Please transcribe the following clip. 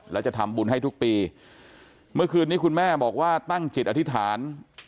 แล้วจะทำบุญให้ทุกปีเมื่อคืนนี้คุณแม่บอกว่าตั้งจิตอธิษฐาน